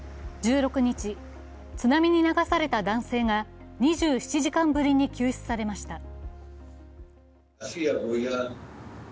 １６日、津波に流された男性が２７時間ぶりに救出されました。